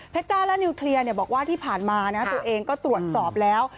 จ้าและนิวเคลียร์บอกว่าที่ผ่านมาตัวเองก็ตรวจสอบแล้ว